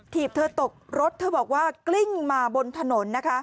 ีบเธอตกรถเธอบอกว่ากลิ้งมาบนถนนนะคะ